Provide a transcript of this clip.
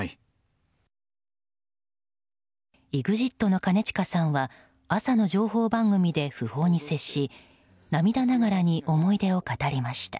ＥＸＩＴの兼近さんは朝の情報番組で訃報に接し涙ながらに思い出を語りました。